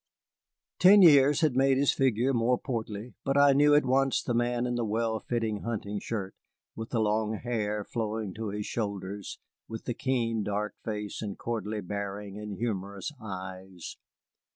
Ten years had made his figure more portly, but I knew at once the man in the well fitting hunting shirt, with the long hair flowing to his shoulders, with the keen, dark face and courtly bearing and humorous eyes.